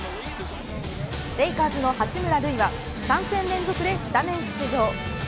レイカーズの八村塁は３戦連続でスタメン出場。